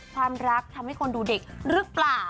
ความรักทำให้คนดูเด็กหรือเปล่า